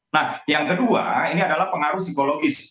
nah yang kedua ini adalah pengaruh psikologis